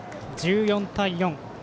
１４対４。